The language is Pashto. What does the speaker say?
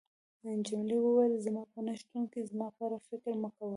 جميلې وويل: زما په نه شتون کې زما په اړه فکر مه کوه.